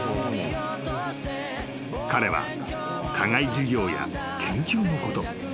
［彼は課外授業や研究のこと］